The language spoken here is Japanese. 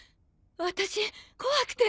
私怖くて。